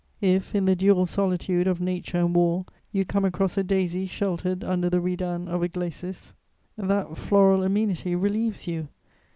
If, in the dual solitude of nature and war, you come across a daisy sheltered under the redan of a glacis, that floral amenity relieves you.